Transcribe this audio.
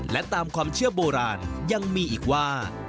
และตามความเชื่อโบราณยังมีอีกว่า